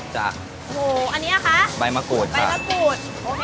โหอันนี้คะใบมะกรูดใบมะกรูด